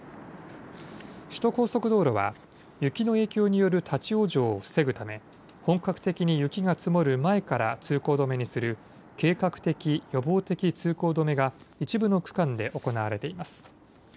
首都高速道路は雪の影響による立往生を防ぐため本格的に雪が積もる前から通行止めにする計画的・予防的通行止めが一部の区間で行われています。